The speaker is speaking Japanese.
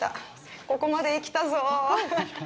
ここまで生きたぞー。